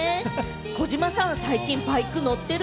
児嶋さん、最近バイク乗ってる？